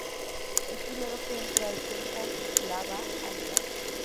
El primero que entre a este local, la va a ligar.